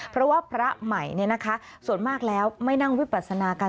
เพราะว่าพระใหม่ส่วนมากแล้วไม่นั่งวิปัสนากัน